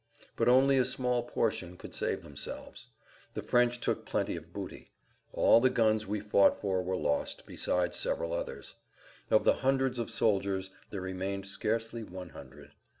But only a small portion could save themselves. The French took plenty of booty. All the guns we fought for were lost, besides several others. Of the hundreds[Pg 97] of soldiers there remained scarcely one hundred.